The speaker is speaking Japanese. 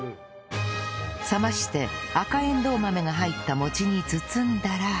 冷まして赤えんどう豆が入った餅に包んだら